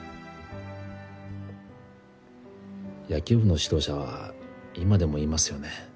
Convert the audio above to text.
野球部の指導者は今でも言いますよね